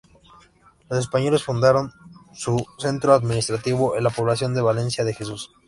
Los españoles fundaron su centro administrativo en la población de Valencia de Jesús.